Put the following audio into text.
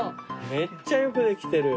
めっちゃよくできてる。